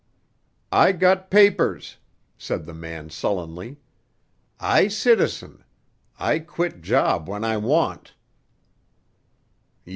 "I got papers," said the man sullenly. "I citizen; I quit job when I want."